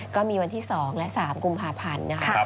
ก็มีวันที่๒และ๓กุมภาพันธ์นะครับ